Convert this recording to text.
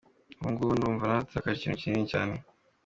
Ubu ng’ubu numva naratakaje ikintu kinini cyane.